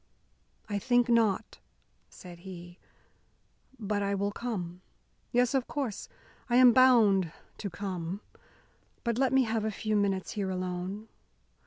"I think not," said he, "but I will come. Yes, of course, I am bound to come. But let me have a few minutes here alone.